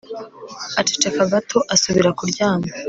aceceka gato, asubira kuryama